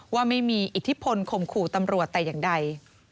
ว่าไม่มีอิทธิพลข่มขู่ตำรวจแต่อย่างใด